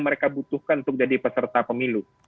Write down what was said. mereka butuhkan untuk jadi peserta pemilu